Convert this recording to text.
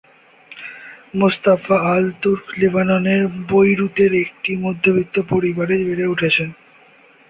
Mostafa Al-Turk লেবাননের বৈরুতের একটি মধ্যবিত্ত পরিবারে বেড়ে উঠেছেন।